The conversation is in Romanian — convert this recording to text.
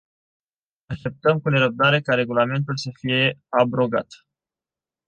Așteptăm cu nerăbdare ca regulamentul să fie abrogat.